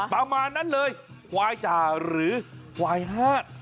ประมาณนั้นเลยควายจ่าหรือควายฮาด